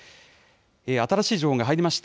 新しい情報が入りました。